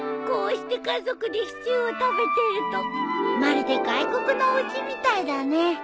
こうして家族でシチューを食べてるとまるで外国のおうちみたいだね。